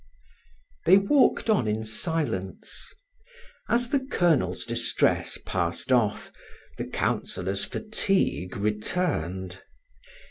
They walked on in silence. As the Colonel's distress passed off the Councillor's fatigue returned.